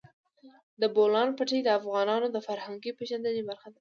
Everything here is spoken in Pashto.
د بولان پټي د افغانانو د فرهنګي پیژندنې برخه ده.